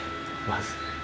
まず。